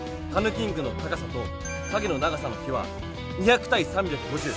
キングの高さと影の長さの比は２００対３５０。